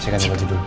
saya ganti baju dulu